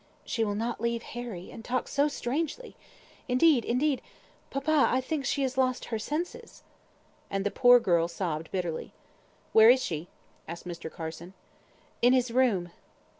"She will not leave Harry, and talks so strangely. Indeed indeed papa, I think she has lost her senses." And the poor girl sobbed bitterly. "Where is she?" asked Mr. Carson. "In his room."